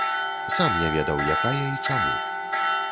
Сам не ведаў, якая і чаму.